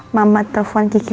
mamat telpon kiki